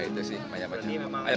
itu sih banyak macam